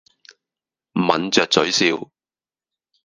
抿着嘴笑。